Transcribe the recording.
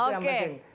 itu yang penting